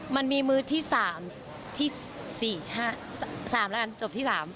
มันมีมื้อที่๓ที่๔๕๓แล้วกันจบที่๓